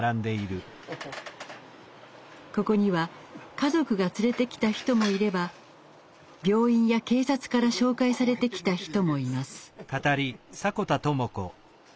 ここには家族が連れてきた人もいれば病院や警察から紹介されてきた人もいます。